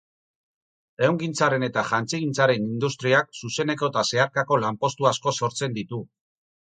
Ehungintzaren eta jantzigintzaren industriak zuzeneko eta zeharkako lanpostu asko sortzen ditu.